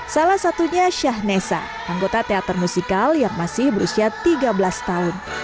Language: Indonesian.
salah satunya syahnessa anggota teater musikal yang masih berusia tiga belas tahun